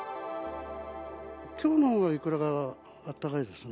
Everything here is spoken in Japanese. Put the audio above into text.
きょうのほうがいくらかあったかいですよね。